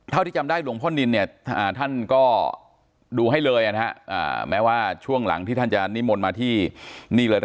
ที่จำได้หลวงพ่อนินเนี่ยท่านก็ดูให้เลยนะฮะแม้ว่าช่วงหลังที่ท่านจะนิมนต์มาที่นี่เลย